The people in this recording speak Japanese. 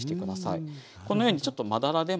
このようにちょっとまだらでも大丈夫です。